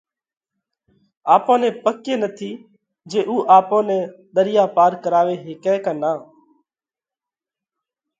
آپون نئہ پڪ ئي نٿِي جي اُو آپون نئہ ۮريا پار ڪراوي هيڪئه ڪا نان؟